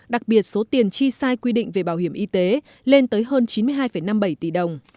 đặc biệt số tiền chi sai quy định về bảo hiểm y tế lên tới hơn chín mươi hai năm mươi bảy tỷ đồng